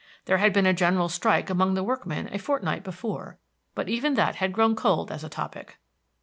There had been a general strike among the workmen a fortnight before; but even that had grown cold as a topic.